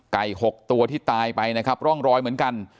กตัวที่ตายไปนะครับร่องรอยเหมือนกัน